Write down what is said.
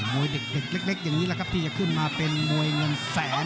วยเด็กเล็กอย่างนี้แหละครับที่จะขึ้นมาเป็นมวยเงินแสน